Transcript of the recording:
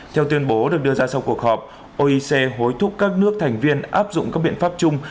theo tuyên bố được đưa ra sau cuộc họp oec hối thúc các nước thành viên áp dụng các biện pháp chung